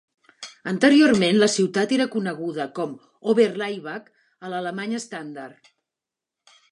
Anteriorment, la ciutat era coneguda com "Oberlaibach" a l"alemany estàndard.